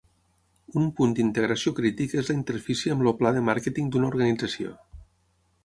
Un punt d'integració crític és la interfície amb el pla de màrqueting d'una organització.